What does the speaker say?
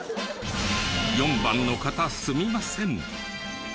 ４番の方すみません。